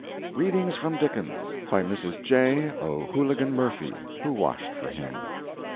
"Readings from Dickens." By Mrs. J. O'Hooligan Murphy, who washed for him.